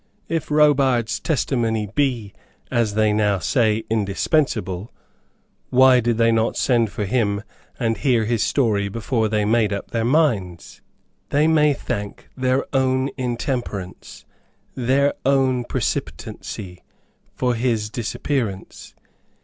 If Robart's testimony be, as they now say, indispensable, why did they not send for him and hear his story before they made up their minds? They may thank their own intemperance, their own precipitancy, for his disappearance.